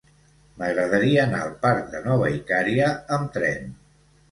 M'agradaria anar al parc de Nova Icària amb tren.